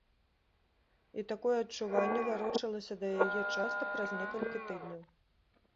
І такое адчуванне варочалася да яе часта праз некалькі тыдняў.